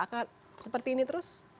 akan seperti ini terus